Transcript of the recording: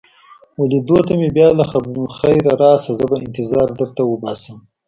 وه لیدو ته مې بیا له خیره راشه، زه به انتظار در وباسم.